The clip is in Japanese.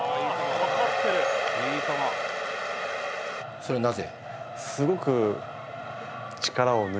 それはなぜ？